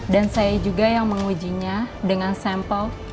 dan saya juga yang mengujinya dengan sampel